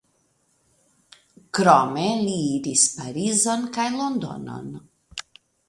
Krome li iris Parizon kaj Londonon.